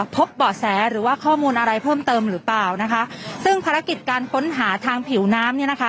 เบาะแสหรือว่าข้อมูลอะไรเพิ่มเติมหรือเปล่านะคะซึ่งภารกิจการค้นหาทางผิวน้ำเนี่ยนะคะ